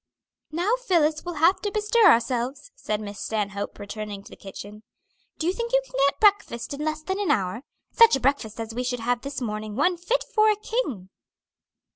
"Now, Phillis, we'll have to bestir ourselves," said Miss Stanhope, returning to the kitchen. "Do you think you can get breakfast in less than an hour? such a breakfast as we should have this morning one fit for a king."